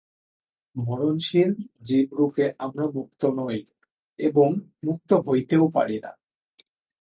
মরণশীল জীবরূপে আমরা মুক্ত নই, এবং মুক্ত হইতেও পারি না।